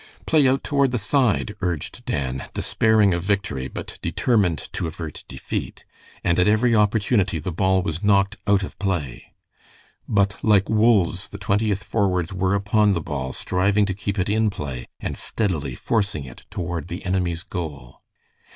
"Play out toward the side," urged Dan, despairing of victory, but determined to avert defeat, and at every opportunity the ball was knocked out of play. But like wolves the Twentieth forwards were upon the ball, striving to keep it in play, and steadily forcing it toward the enemy's goal.